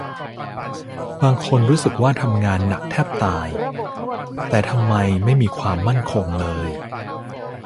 บางคนรู้สึกว่าทำงานหนักแทบตาย แต่ทำไมไม่มีความมั่นคงเลย